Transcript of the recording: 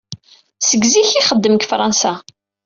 Seg zik ay ixeddem deg Fṛansa.